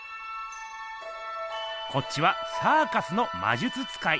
こっちはサーカスの魔術使い。